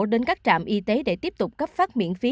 đến các trạm y tế để tiếp tục cấp phát miễn phí